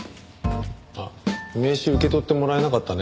あっ名刺受け取ってもらえなかったね。